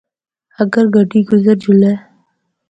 اگر گڈی گزر جُلا۔